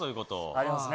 ありますね。